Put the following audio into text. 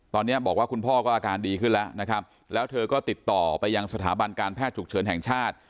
ตอนนี้บอกว่าคุณพ่อก็อาการดีขึ้นแล้วนะครับแล้วเธอก็ติดต่อไปยังสถาบันการแพทย์ฉุกเฉินแห่งชาติ